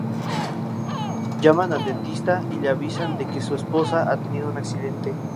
Llaman al dentista y le avisan de que su esposa ha tenido un accidente.